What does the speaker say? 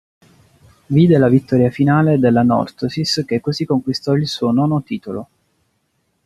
Vide la vittoria finale dell'Anorthosis, che così conquistò il suo nono titolo.